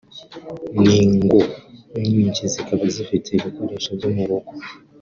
n’ingo nyinshi zikaba zifite ibikoresho byo mu rugo